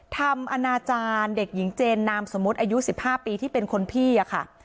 อนาจารย์เด็กหญิงเจนนามสมมุติอายุ๑๕ปีที่เป็นคนพี่อะค่ะ